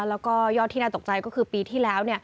แล้วก็ยอดที่น่าตกใจก็คือปีที่แล้ว